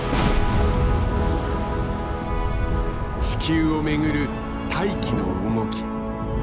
地球を巡る大気の動き。